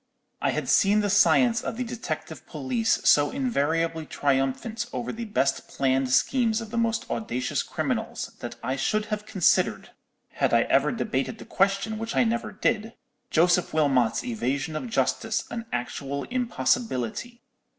"I had seen the science of the detective police so invariably triumphant over the best planned schemes of the most audacious criminals, that I should have considered—had I ever debated the question, which I never did—Joseph Wilmot's evasion of justice an actual impossibility.